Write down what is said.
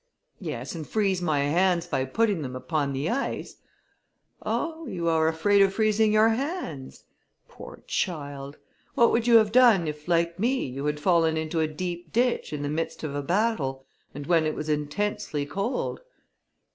"Yes, and freeze my hands by putting them upon the ice." "Oh! you are afraid of freezing your hands; poor child! what would you have done, if, like me, you had fallen into a deep ditch, in the midst of a battle, and when it was intensely cold?"